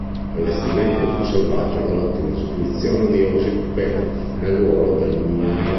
L'allestimento fu salvato dall'ottima esibizione di Osip Petrov, nel ruolo del mugnaio.